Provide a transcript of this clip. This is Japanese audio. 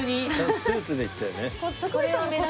スーツで行ったよね。